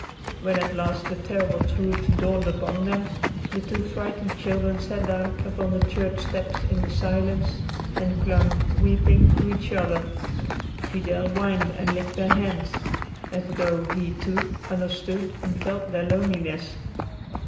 When at last the terrible truth dawned upon them, the two frightened children sat down upon the church steps in the silence, and clung, weeping, to each other. Fidel whined and licked their hands, as though he, too, understood and felt their loneliness.